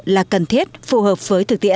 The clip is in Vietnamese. là cần thiết phù hợp với thực tế